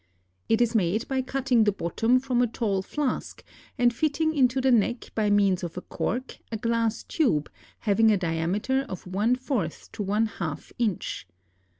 It is made by cutting the bottom from a tall flask, and fitting into the neck by means of a cork a glass tube having a diameter of one fourth to one half inch.